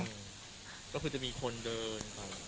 ก็คือจะมีคนเดิน